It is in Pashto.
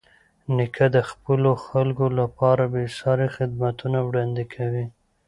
نیکه د خپلو خلکو لپاره بېساري خدمتونه وړاندې کوي.